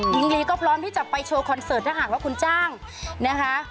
หญิงลีก็พร้อมที่จะไปโชว์คอนเสิร์ตถ้าหากว่าคุณจ้างนะคะ